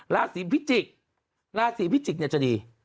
ลาศีพิจิกลาศีพิจิกจะดี